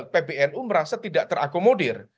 pbnu merasa tidak terakomodir